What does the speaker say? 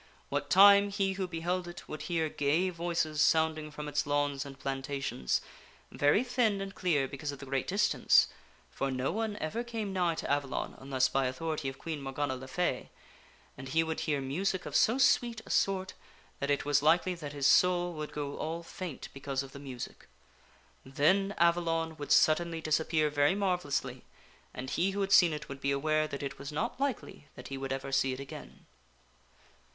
What time he who beheld it would hear gay voices sounding from its lawns and plantations very thin and clear because of the great distance (for no one ever came nigh to Avalon unless by authority of Queen Morgana le Fay), and he would hear music of so sweet a sort that it was likely that his soul would grow all faint because of the music. Then Avalon would suddenly dis appear very marvellously, and he who had seen it would be aware that it was not likely that he would ever see it again.